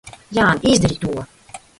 Jāni, izdari to!